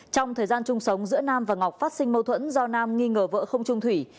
trong thời gian chung sống giữa nam và ngọc phát sinh mâu thuẫn do nam nghi ngờ vợ không trung thủy